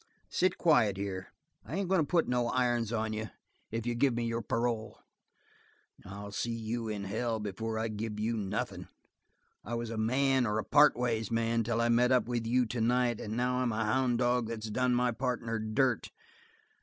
Sit quiet here. I ain't goin' to put no irons on you if you give me your parole." "I'll see you in hell before I give you nothin'. I was a man, or a partways man, till I met up with you tonight, and now I'm a houn' dog that's done my partner dirt!